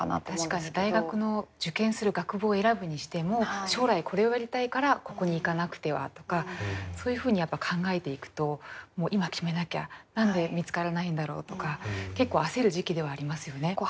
確かに大学の受験する学部を選ぶにしても将来これをやりたいからここに行かなくてはとかそういうふうに考えていくともう今決めなきゃ何で見つからないんだろうとか結構焦る時期ではありますよね。